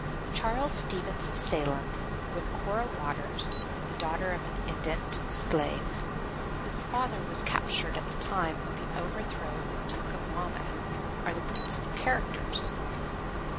Charles Stevens of Salem, with Cora Waters, the daughter of an indented slave, whose father was captured at the time of the overthrow of the Duke of Monmouth, are the principal characters.